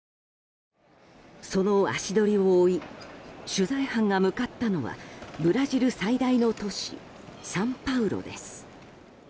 その足取りを追い取材班が向かったのはブラジル最大の都市サンパウロです。